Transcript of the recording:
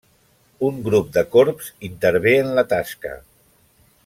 Un grup de corbs intervé en la tasca.